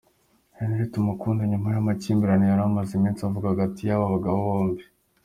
Henry Tumukunde, nyuma y’amakimbirane yari amaze iminsi avugwa hagati y’aba bagabo bombi.